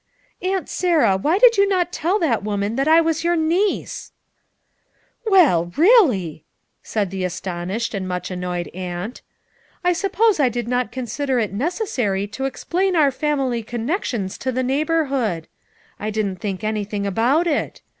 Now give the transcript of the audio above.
"Aunt Sarah, why did you not tell that woman that I was your niece V 9 "Well, really !" said the astonished and much annoyed aunt. "I suppose I did not consider it necessary to explain our family connections to the neighborhood. I didn't think anything about it.